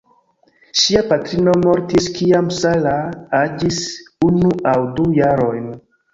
Ŝia patrino mortis kiam Sarah aĝis unu aŭ du jarojn.